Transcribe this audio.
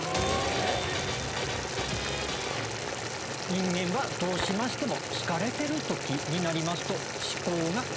人間はどうしましても。